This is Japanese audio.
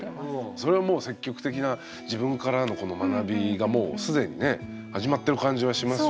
それはもう積極的な自分からのこの学びがもう既にね始まってる感じはしますよね。